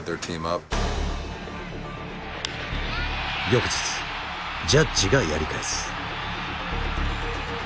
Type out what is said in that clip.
翌日ジャッジがやり返す。